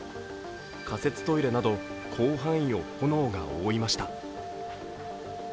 仮設トイレなど広範囲を炎が覆いました。